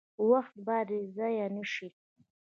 وخت باید ضایع نشي